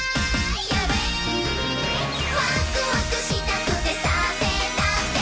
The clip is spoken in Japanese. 「ワクワクしたくてさせたくて」